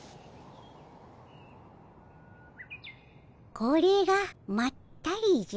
これがまったりじゃ。